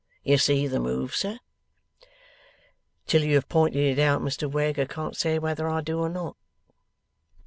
You see the move, sir?' 'Till you have pointed it out, Mr Wegg, I can't say whether I do or not.